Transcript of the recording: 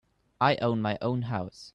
I own my own house.